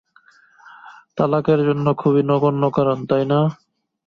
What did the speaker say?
তালাকের জন্য খুবই নগণ্য কারণ, তাই না।